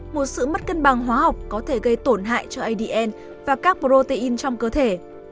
một sự mất cân bằng hóa học có thể gây tổn hại cho adn và các protein trong cơ thể